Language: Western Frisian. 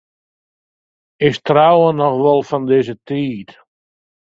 Is trouwen noch wol fan dizze tiid?